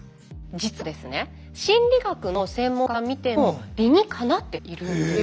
実はですね心理学の専門家から見ても理にかなっているんですよ。